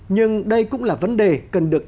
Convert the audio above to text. nhưng đây cũng là vấn đề cần được